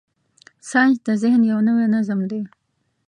ساینس د ذهن یو نوی نظم دی.